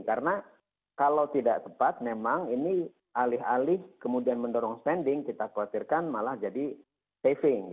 karena kalau tidak tepat memang ini alih alih kemudian mendorong spending kita khawatirkan malah jadi saving